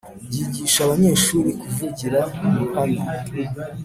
Byigisha abanyeshuri kuvugira mu ruhame.